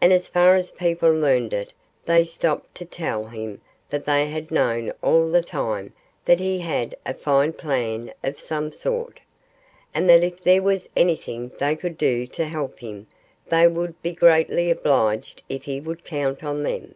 And as fast as people learned it they stopped to tell him that they had known all the time that he had a fine plan of some sort, and that if there was anything they could do to help him they would be greatly obliged if he would "count on them."